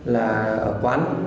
là ở quán